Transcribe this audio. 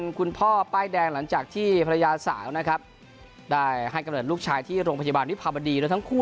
คุณพ่อป้ายแดงหลังจากที่ภรรยาสาวนะครับได้ให้กำเนิดลูกชายที่โรงพยาบาลวิภาบดีแล้วทั้งคู่